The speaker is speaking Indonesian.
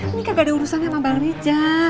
ini kagak ada urusan sama bang rija